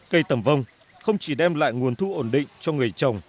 cây tẩm vông không chỉ đem lại nguồn thu ổn định cho người chồng